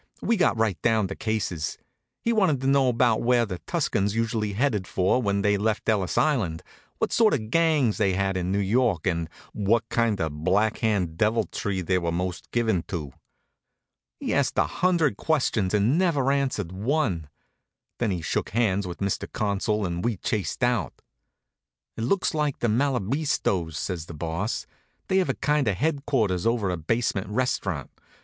We got right down to cases. He wanted to know about where the Tuscans usually headed for when they left Ellis Island, what sort of gangs they had in New York and what kind of Black Hand deviltry they were most given to. He asked a hundred questions and never answered one. Then he shook hands with Mr. Consul and we chased out. "It looks like the Malabistos," says the Boss. "They have a kind of headquarters over a basement restaurant.